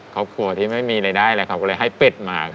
ครอบครัวที่ไม่มีรายได้อะไรเขาก็เลยให้เป็ดมา